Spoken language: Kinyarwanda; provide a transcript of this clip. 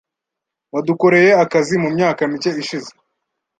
Wadukoreye akazi mumyaka mike ishize .